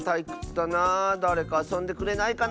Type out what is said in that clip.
だれかあそんでくれないかな。